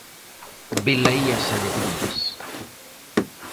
Velaí as alegrías.